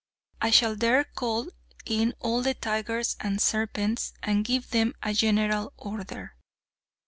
"I shall there call in all the tigers and serpents, and give them a general order."